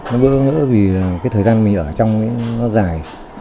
nó bỡ ngỡ vì cái thời gian mình ở trong ấy nó dài